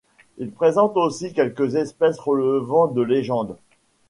Il présente aussi quelques espèces relevant de légendes.